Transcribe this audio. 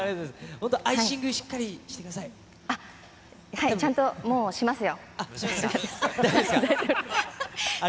本当、アイシングしっかりしてくちゃんと、もうしますよ。